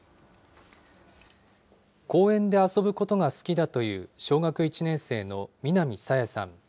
公園で遊ぶことが好きだという小学１年生の南朝芽さん。